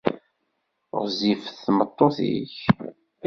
Ɣezzifet tmeṭṭut-ik?